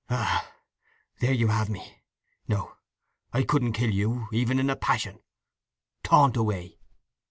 "Ah—there you have me! No—I couldn't kill you—even in a passion. Taunt away!"